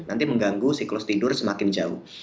jadi mengganggu siklus tidur semakin jauh